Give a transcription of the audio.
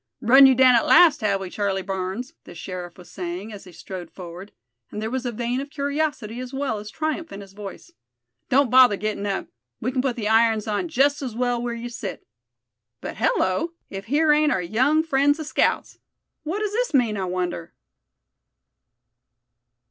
"Run you down at last, have we, Charlie Barnes?" the sheriff was saying, as he strode forward, and there was a vein of curiosity as well as triumph in his voice. "Don't bother getting up; we can put the irons on just as well where you sit. But hello! if here ain't our young friends the scouts! What does this mean, I wonder?"